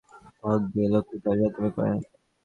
তা হোক গে, লক্ষ্মী তো জাতবিচার করেন না।